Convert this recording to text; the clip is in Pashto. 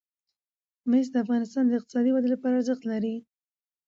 مس د افغانستان د اقتصادي ودې لپاره ارزښت لري.